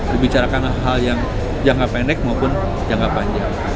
dibicarakan hal yang jangka pendek maupun jangka panjang